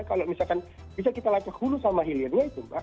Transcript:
kalau misalkan bisa kita lacak hulu sama hilirnya itu mbak